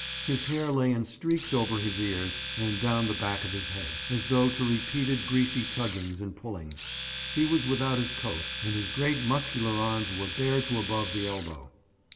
His hair lay in streaks over his ears, and down the back of his head, as though to repeated greasy tuggings and pullings. He was without his coat, and his great muscular arms were bare to above the elbow.